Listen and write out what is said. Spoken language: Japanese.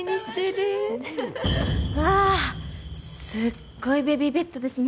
うわすっごいベビーベッドですね。